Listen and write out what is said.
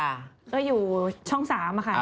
อ่ะอยู่ช่อง๓อ่ะค่ะ